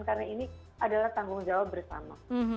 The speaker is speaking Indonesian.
karena ini adalah tanggung jawab bersama sama